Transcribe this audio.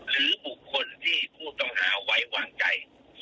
หรือบุคคลที่ผู้ต้องหาไว้วางใจ